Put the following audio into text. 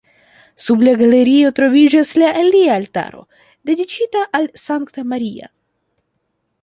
Sub la galerio troviĝas la alia altaro dediĉita al Sankta Maria.